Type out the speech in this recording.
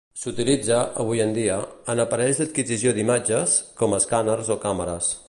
S'utilitza, avui en dia, en aparells d'adquisició d'imatges, com escàners o càmeres.